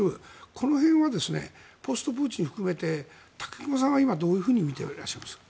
この辺はポストプーチンを含めて武隈さんは今、どういうふうに見ていらっしゃいますか？